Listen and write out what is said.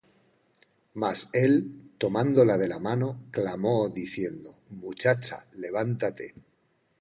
Mas él, tomándola de la mano, clamó, diciendo: Muchacha, levántate.